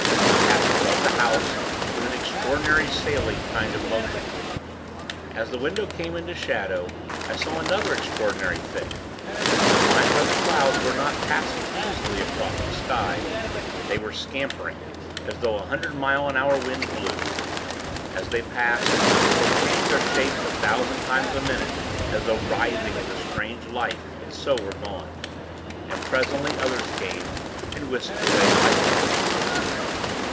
It passed above the house, with an extraordinary sailing kind of motion. As the window came into shadow, I saw another extraordinary thing. The fine weather clouds were not passing, easily, across the sky they were scampering, as though a hundred mile an hour wind blew. As they passed, they changed their shapes a thousand times a minute, as though writhing with a strange life; and so were gone. And, presently, others came, and whisked away likewise.